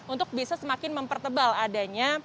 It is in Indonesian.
untuk bisa semakin mempertebal adanya